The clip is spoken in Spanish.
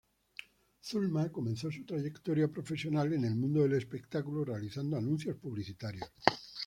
Zulma comenzó su trayectoria profesional en el mundo del espectáculo realizando anuncios publicitarios.